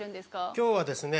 今日はですね